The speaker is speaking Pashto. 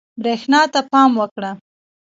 برېښنا ته پام وکړه.